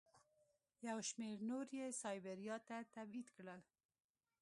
یو شمېر نور یې سایبریا ته تبعید کړل.